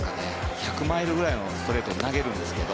１００マイルくらいのストレートを投げるんですけど。